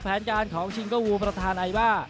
แผนการของชิงโกวูประธานไอบ้า